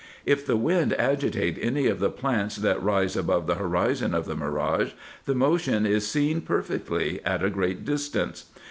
If the wind agitate any of the plants that rise above the horizon of the mirage, the motion is seen perfectly, at a great distance.